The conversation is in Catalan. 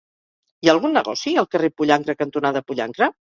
Hi ha algun negoci al carrer Pollancre cantonada Pollancre?